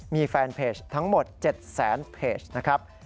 มีแฟนเพจทั้งหมด๗แสนเพจนะครับ